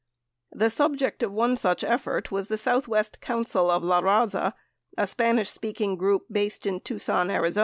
The subject of one such effort was the Southwest Council of LaRaza, a Spanish speaking group based in Tucson, Ariz.